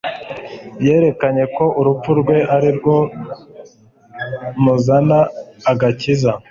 yerekanye ko urupfu rwe ari rwo mzana agakiza.